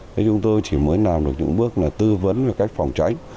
thế chúng tôi chỉ mới làm được những bước là tư vấn về cách phòng tránh